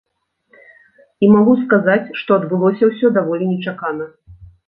І магу сказаць, што адбылося ўсё даволі нечакана.